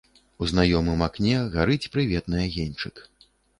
У знаёмым акне гарыць прыветны агеньчык.